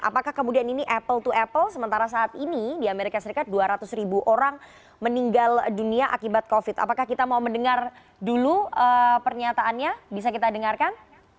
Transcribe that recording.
apakah kemudian ini apple to apple sementara saat ini di amerika serikat dua ratus ribu orang meninggal dunia akibat covid apakah kita mau mendengar dulu pernyataannya bisa kita dengarkan